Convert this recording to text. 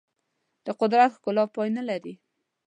د قدرت ښکلا پای نه لري.